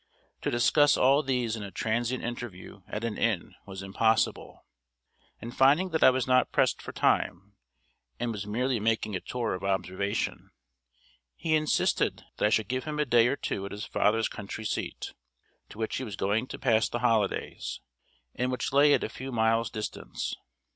To discuss all these in a transient interview at an inn was impossible; and finding that I was not pressed for time, and was merely making a tour of observation, he insisted that I should give him a day or two at his father's country seat, to which he was going to pass the holidays, and which lay at a few miles' distance.